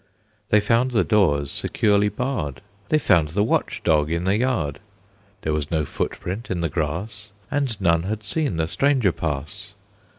They found the doors securely barred, They found the watch dog in the yard, There was no footprint in the grass, And none had seen the stranger pass.